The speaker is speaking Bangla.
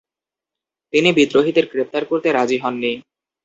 তিনি বিদ্রোহীদের গ্রেপ্তার করতে রাজি হননি।